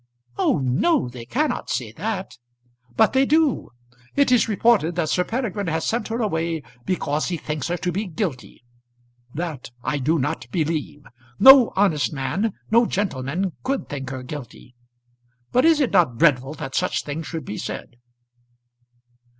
"Oh no. They cannot say that." "But they do. It is reported that Sir Peregrine has sent her away because he thinks her to be guilty. That I do not believe. No honest man, no gentleman, could think her guilty. But is it not dreadful that such things should be said?"